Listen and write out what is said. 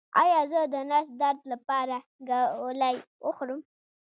ایا زه د نس درد لپاره ګولۍ وخورم؟